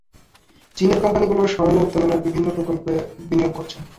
চীনের কোম্পানিগুলো স্বর্ণ উত্তোলনের বিভিন্ন প্রকল্পে বিনিয়োগ করছে।